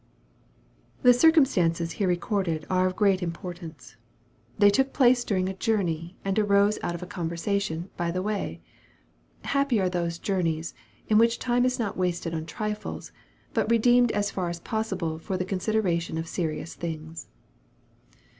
THE circumstances here recorded are of great import ance. They took place during a journey, and arose out 164 EXPOSITORY THOUGHTS. of a conversation " by the way." Happy are those journeys, in which time is not wasted on trifles, but redeemed as far as possible for the consideration of serious things.